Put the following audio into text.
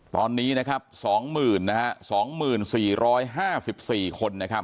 ตอนนี้สองหมื่นสองหมื่นสี่ร้อยห้าสิบสี่คน